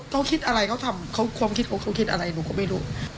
เขาคิดอะไรเขาทำเขาความคิดเขาคิดอะไรหนูก็ไม่รู้